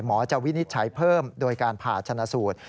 จะวินิจฉัยเพิ่มโดยการผ่าชนะสูตร